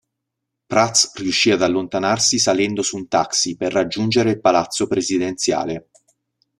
Prats riuscì ad allontanarsi salendo su un taxi per raggiungere il palazzo presidenziale.